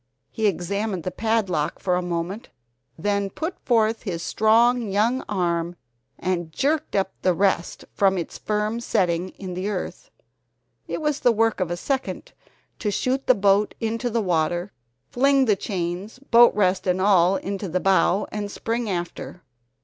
He examined the padlock for a moment, then put forth his strong young arm and jerked up the rest from its firm setting in the earth. It was the work of a second to shoot the boat into the water, fling the chains, boat rest and all into the bow, and spring after.